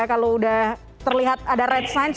kalau udah terlihat ada red signs